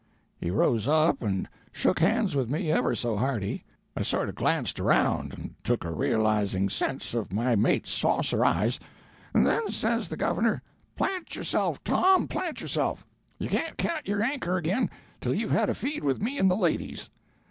He rose up and shook hands with me ever so hearty I sort of glanced around and took a realizing sense of my mate's saucer eyes and then says the governor, 'Plant yourself, Tom, plant yourself; you can't cat your anchor again till you've had a feed with me and the ladies!'